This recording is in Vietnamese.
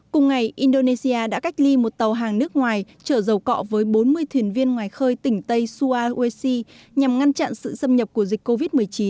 cùng ngày indonesia đã cách ly một tàu hàng nước ngoài trở dầu cọ với bốn mươi thuyền viên ngoài khơi tỉnh tây suawei nhằm ngăn chặn sự xâm nhập của dịch covid một mươi chín